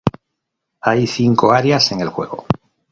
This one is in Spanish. Hay cinco áreas en el juego.